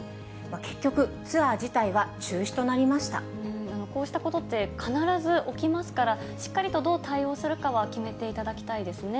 結局、ツアー自体は中止となりまこうしたことって、必ず起きますから、しっかりと、どう対応するかは決めていただきたいですね。